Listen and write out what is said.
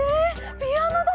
ピアノだ！